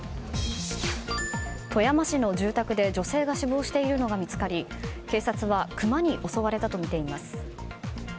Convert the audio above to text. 富山市の住宅で女性が死亡しているのが見つかり警察はクマに襲われたとみています。